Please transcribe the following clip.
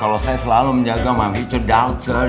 kalau saya selalu menjaga my future daughter